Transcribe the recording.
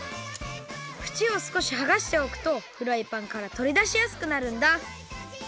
ふちをすこしはがしておくとフライパンからとりだしやすくなるんだ。